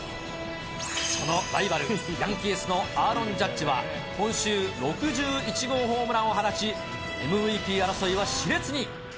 そのライバル、ヤンキースのアーロン・ジャッジは、今週、６１号ホームランを放ち、ＭＶＰ争いはしれつに。